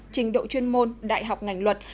trình độ chuyên môn đại học ngành luật